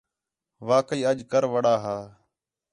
واقعی اَج کروڑا ہا